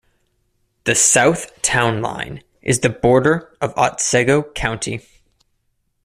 The south town line is the border of Otsego County.